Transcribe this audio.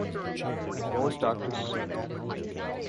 Most are Christians.